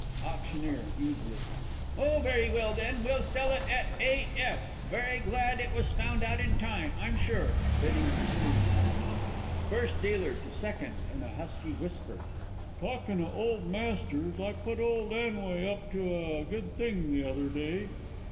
AUCT. (easily). Oh, very well then, we'll sell it "A. F." Very glad it was found out in time, I'm sure. [Bidding proceeds. FIRST DEALER to SECOND (in a husky whisper). Talkin' o' Old Masters, I put young 'Anway up to a good thing the other day.